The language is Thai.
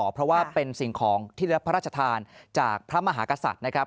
เพราะว่าเป็นสิ่งของที่รับพระราชทานจากพระมหากษัตริย์นะครับ